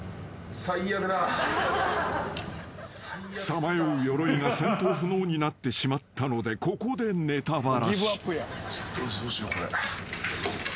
［さまようヨロイが戦闘不能になってしまったのでここでネタバラシ］